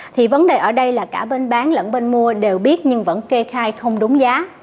thì vấn đề ở đây là cả bên bán lẫn bên mua đều biết nhưng vẫn kê khai không đúng giá